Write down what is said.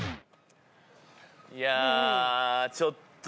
いやちょっと。